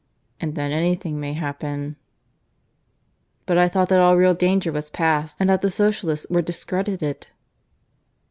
And then anything may happen." "But I thought that all real danger was past, and that the Socialists were discredited."